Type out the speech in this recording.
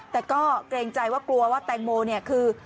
แต่ก็เกรงใจว่ากลัวว่าแตงโมเนี่ยคือ